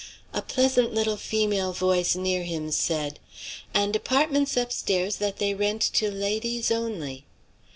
A pleasant little female voice near him said: "And apartments up stairs that they rent to ladies only!"